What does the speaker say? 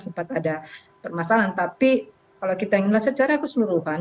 sempat ada permasalahan tapi kalau kita ingin melihat secara keseluruhan